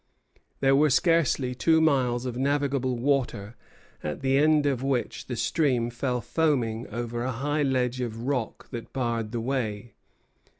There were scarcely two miles of navigable water, at the end of which the stream fell foaming over a high ledge of rock that barred the way.